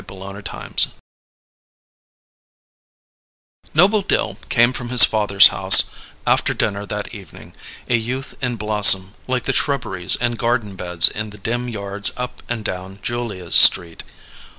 CHAPTER NINE Noble Dill came from his father's house, after dinner that evening, a youth in blossom, like the shrubberies and garden beds in the dim yards up and down Julia's Street.